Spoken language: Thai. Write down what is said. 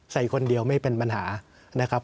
ใส่คนเดียวไม่เป็นปัญหานะครับ